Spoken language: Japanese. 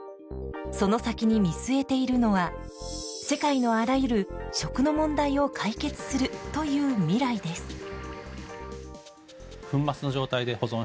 その先に見据えているのは世界のあらゆる食の問題を解決するという未来です。